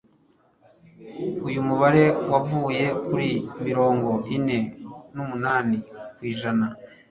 Uyu mubare wavuye kuri mirongo ine numunani kwijana